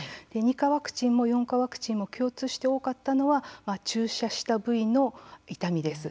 ２価ワクチンも４価ワクチンも共通して多かったのは注射した部位の痛みです。